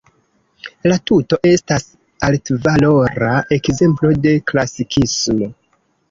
La tuto estas altvalora ekzemplo de klasikismo.